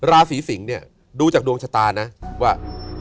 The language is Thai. ราศีสิงศ์เนี่ยดูจากดวงชะตานะว่า